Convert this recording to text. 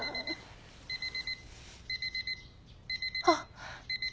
あっ！